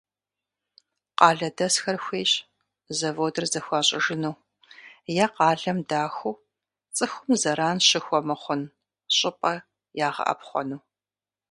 Къалэдэсхэр хуейщ заводыр зэхуащӀыжыну е къалэм дахыу цӀыхум зэран щыхуэмыхъун щӀыпӀэ ягъэӀэпхъуэну.